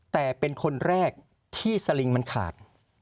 แต่เป็นคนแรกที่สลิงมันขาด